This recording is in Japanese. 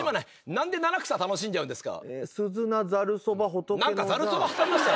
何で七草楽しんじゃうんですか。